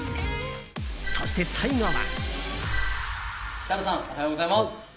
そして、最後は。